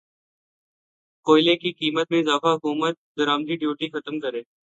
کوئلے کی قیمت میں اضافہ حکومت درمدی ڈیوٹی ختم کرے